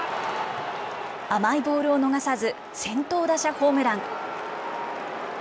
甘いボールを逃さず、先頭打者ホームラン。